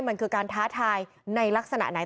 มันคือการท้าทายในลักษณะไหน